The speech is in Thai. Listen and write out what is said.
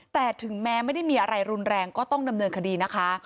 แต่ถึงแม้ไม่ได้มีอะไรรุนแรงก็ต้องดำเนินคดีนะคะ